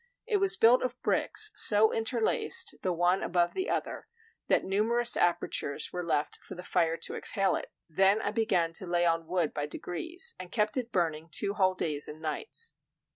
It was built of bricks, so interlaced, the one above the other, that numerous apertures were left for the fire to exhale it. Then I began to lay on wood by degrees, and kept it burning two whole days and nights.